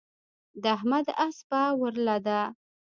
د احمد اسپه ورله ده.